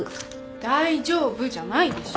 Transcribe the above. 大丈夫じゃないでしょ